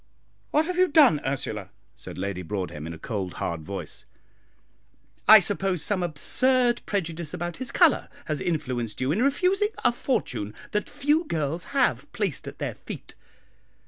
"What have you done, Ursula?" said Lady Broadhem, in a cold, hard voice. "I suppose some absurd prejudice about his colour has influenced you in refusing a fortune that few girls have placed at their feet.